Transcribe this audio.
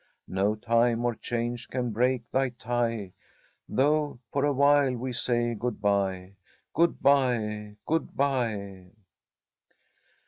No time or change can break thy tie, Though for awhile we say good bye Good bye! Good bye!"